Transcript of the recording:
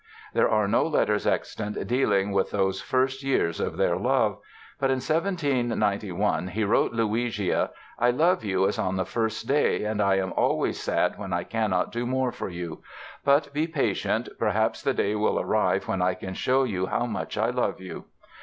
There are no letters extant dealing with those first years of their love. But in 1791 he wrote Luigia: "I love you as on the first day, and I am always sad when I cannot do more for you. But be patient, perhaps the day will arrive when I can show you how much I love you."